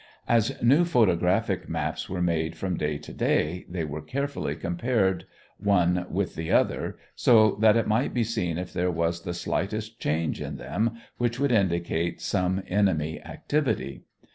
As new photographic maps were made from day to day, they were carefully compared one with the other so that it might be seen if there was the slightest change in them which would indicate some enemy activity.